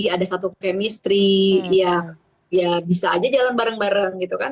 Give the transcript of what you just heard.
ada satu chemistry ya bisa aja jalan bareng bareng gitu kan